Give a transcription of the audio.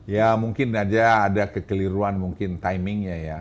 ya mungkin aja ada kekeliruan mungkin timingnya ya